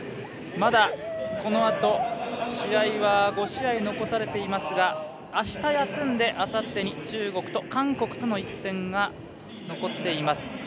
まだ、このあと、試合は５試合、残されていますがあした休んで、あさってに中国と韓国との一戦が残っています。